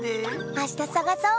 あしたさがそう。